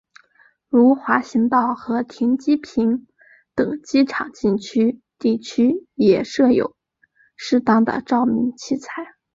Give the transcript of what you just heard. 如滑行道和停机坪等机场禁区地区也设有适当的照明器材。